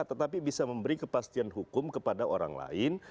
tetapi bisa memberi kepastian hukum kepada orang lain